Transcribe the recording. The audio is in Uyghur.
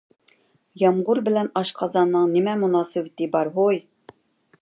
يامغۇر بىلەن ئاشقازاننىڭ نېمە مۇناسىۋىتى بار ھوي؟